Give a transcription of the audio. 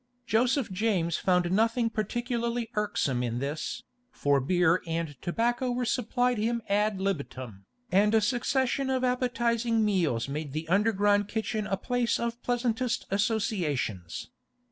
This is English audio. Joseph James found nothing particularly irksome in this, for beer and tobacco were supplied him ad libitum, and a succession of appetising meals made the underground kitchen a place of the pleasantest associations.